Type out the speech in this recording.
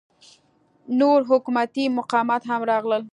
نور حکومتي مقامات هم راغلل.